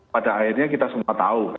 pada akhirnya kita semua tahu